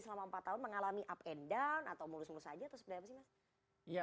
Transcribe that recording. selama empat tahun mengalami up and down atau murus murus saja